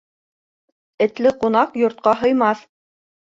Этле ҡунаҡ йортҡа һыймаҫ